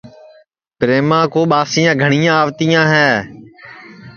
پریماں کُو ٻاسیاں گھٹؔیاں آوتیاں ہے